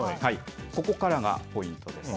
ここからがポイントです。